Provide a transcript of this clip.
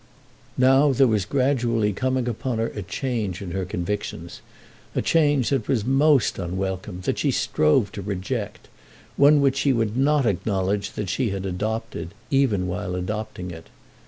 Now, there was gradually coming upon her a change in her convictions, a change that was most unwelcome, that she strove to reject, one which she would not acknowledge that she had adopted even while adopting it.